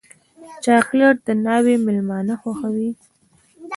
چاکلېټ د ناوې مېلمانه خوښوي.